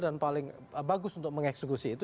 dan paling bagus untuk mengeksekusi itu